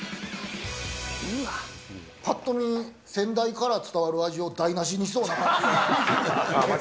ぱっと見、先代から伝わる味を台なしにしそうな感じ。